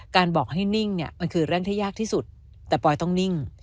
บอกให้นิ่งเนี่ยมันคือเรื่องที่ยากที่สุดแต่ปอยต้องนิ่ง